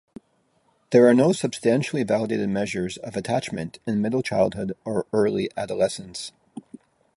There are no substantially validated measures of attachment in middle childhood or early adolescence.